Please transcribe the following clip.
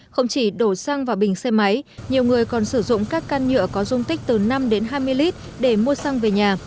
không chỉ đổ xăng vào bình xe máy nhiều người còn sử dụng các can nhựa có dung tích từ năm đến hai mươi lít để mua xăng về nhà